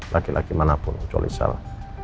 laki laki manapun kecuali saya